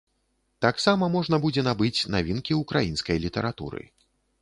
Таксама можна будзе набыць навінкі ўкраінскай літаратуры.